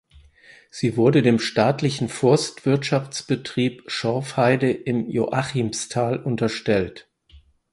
Sie wurde dem Staatlichen Forstwirtschaftsbetrieb Schorfheide in Joachimsthal unterstellt.